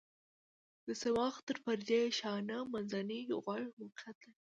د صماخ تر پردې شاته منځنی غوږ موقعیت لري.